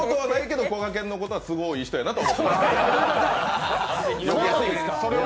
どこがけんのことは都合のいい人かなと思ってます。